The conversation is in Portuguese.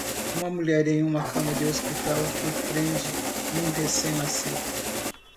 Uma mulher em uma cama de hospital que prende um recém-nascido.